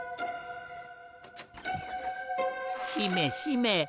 しめしめ。